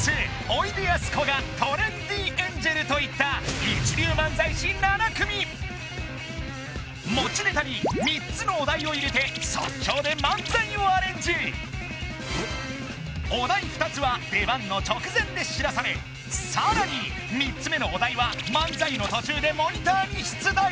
おいでやすこがトレンディエンジェルといった一流漫才師７組持ちネタに３つのお題を入れて即興で漫才をアレンジさらに３つ目のお題は漫才の途中でモニターに出題